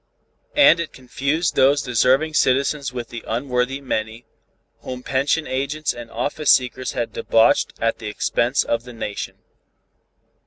And it confused those deserving citizens with the unworthy many, whom pension agents and office seekers had debauched at the expense of the Nation.